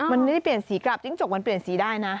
มันไม่ได้เปลี่ยนสีกลับจิ้งจกมันเปลี่ยนสีได้นะ